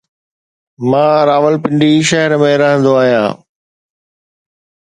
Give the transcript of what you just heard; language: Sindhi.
مان راولپنڊي شهر ۾ رهندو آهيان.